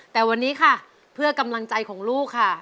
แต่วันนี้ค่ะเพื่อกำลังใจของลูกค่ะ